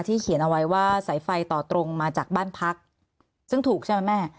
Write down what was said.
เขียนเอาไว้ว่าสายไฟต่อตรงมาจากบ้านพักซึ่งถูกใช่ไหมแม่